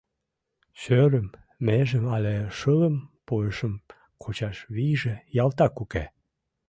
Шӧрым, межым але шылым пуышым кучаш вийже ялтак уке.